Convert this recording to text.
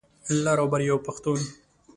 لر او بر یو پښتون.